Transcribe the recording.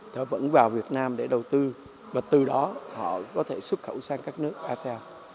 nó vẫn vào việt nam để đầu tư và từ đó họ có thể xuất khẩu sang các nước asean